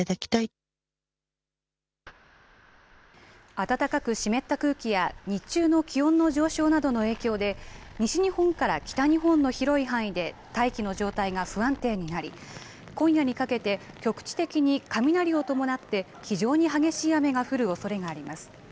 暖かく湿った空気や日中の気温の上昇などの影響で西日本から北日本の広い範囲で大気の状態が不安定になり今夜にかけて局地的に雷を伴って非常に激しい雨が降るおそれがあります。